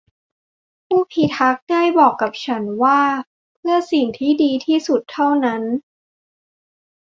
ผู้พิทักษ์ได้บอกกับฉันว่าเพิ่อสิ่งที่ดีที่สุดเท่านั้น